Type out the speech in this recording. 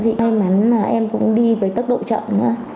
thì may mắn là em cũng đi với tốc độ chậm nữa